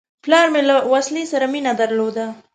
پلار مې له وسلې سره مینه درلوده.